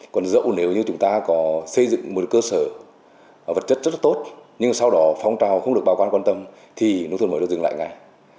còn dẫu nếu như chúng ta có xây dựng một cơ sở vật chất rất là tốt nhưng sau đó phong trào không được bà quan quan tâm thì nông thôn mới được dừng lại ngay